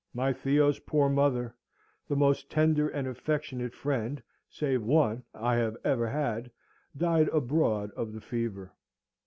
My Theo's poor mother the most tender and affectionate friend (save one) I have ever had died abroad of the fever.